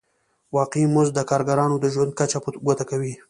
واقعي مزد د کارګرانو د ژوند کچه په ګوته کوي